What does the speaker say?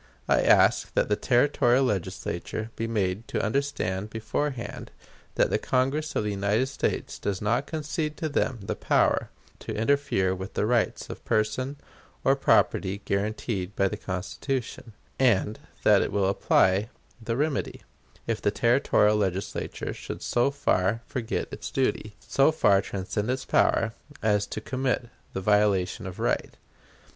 I ask that the Territorial Legislature be made to understand beforehand that the Congress of the United States does not concede to them the power to interfere with the rights of person or property guaranteed by the Constitution, and that it will apply the remedy, if the Territorial Legislature should so far forget its duty, so far transcend its power, as to commit that violation of right.